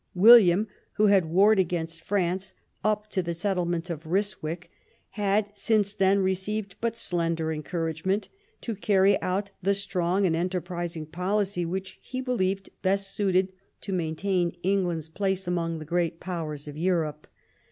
William, who had warred against France up to the settlement of Kyswick, had since then received but slender encouragement to carry out the strong and enterprising policy which he believed best suited to maintain England's place among the great powers of Europe.